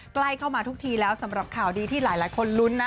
ใกล้เข้ามาทุกทีแล้วสำหรับข่าวดีที่หลายคนลุ้นนะ